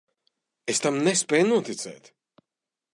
Es tam nespēju noticēt.